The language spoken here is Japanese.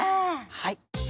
はい。